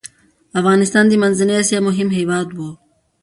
افغانستان د منځنی اسیا مهم هیواد و.